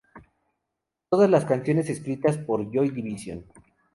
Todas las canciones escritas por Joy Division.